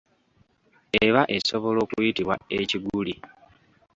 Eba esobola okuyitibwa ekiguli.